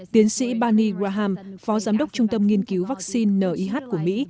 tiến sĩ barney graham phó giám đốc trung tâm nghiên cứu vaccine nih của mỹ